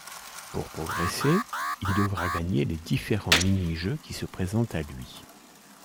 Pour progresser, il devra gagner les différents mini-jeux qui se présentent à lui.